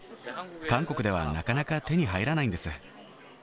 韓国ではなかなか手に入らないんです。